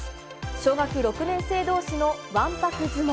小学６年生どうしのわんぱく相撲。